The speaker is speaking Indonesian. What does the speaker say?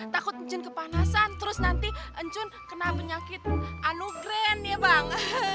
takut ecun kepanasan terus nanti encun kena penyakit anugren ya bang